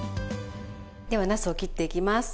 ではなすを切っていきます。